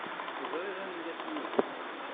Teẓriḍ anda-t wugur.